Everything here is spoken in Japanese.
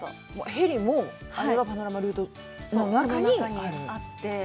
ヘリも、あれはパノラマルートの中にある？